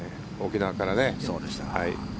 沖縄から。